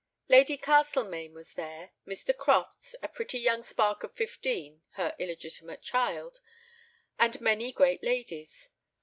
Lady Castlemaine was there, Mr. Crofts, a pretty young spark of fifteen (her illegitimate child), and many great ladies.